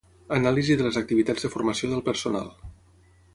Anàlisi de les activitats de formació del personal.